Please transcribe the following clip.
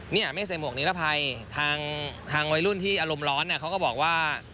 เนี่ยไม่ใส่หมวกนิรภัยทางวัยรุ่นที่อารมณ์ร้อนเนี่ยเขาก็บอกว่า